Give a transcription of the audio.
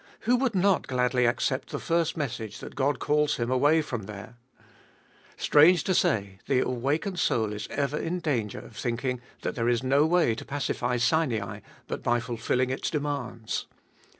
who would not gladly accept the first message that God calls him away from there ? Strange to say, the awakened soul is ever in danger of thinking that there is no way to pacify Sinai but by fulfilling its demands.